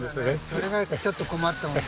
それがちょっと困ったもんだ。